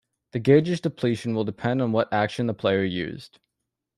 The gauge's depletion will depend on what action the player used.